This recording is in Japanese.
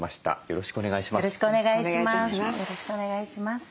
よろしくお願いします。